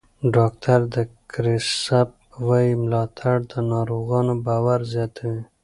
ډاکټر کریسپ وایي ملاتړ د ناروغانو باور زیاتوي.